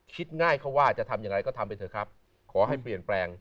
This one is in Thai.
คิดง่ายเขาว่าจะทำอย่างไรก็ทำไปเถอะครับขอให้เปลี่ยนแปลง